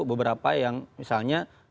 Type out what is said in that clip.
beberapa yang misalnya